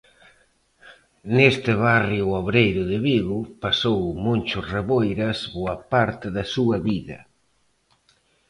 Neste barrio obreiro de Vigo pasou Moncho Reboiras boa parte da súa vida.